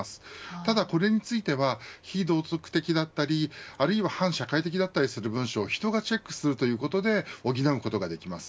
ただ、これについては非道徳的だったりあるいは反社会的だったりする文章を人がチェックするということで補うことができます。